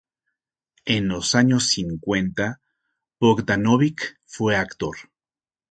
En los años cincuenta, Bogdanovich fue actor.